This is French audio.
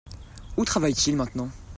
Où travaille t-il maintenant ?